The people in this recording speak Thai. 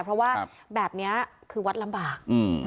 เพราะว่าแบบนี้คือวัดลำบาก